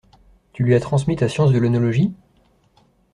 Tu lui as transmis ta science de l’œnologie?